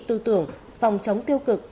tư tưởng phòng chống tiêu cực